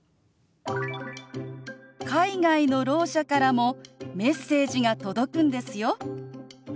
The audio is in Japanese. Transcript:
「海外のろう者からもメッセージが届くんですよ」。